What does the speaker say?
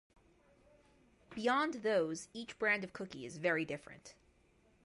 Beyond those, each brand of cookie is very different.